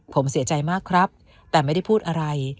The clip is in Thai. ผมเสียใจมากครับแต่ไม่ได้พูดอะไร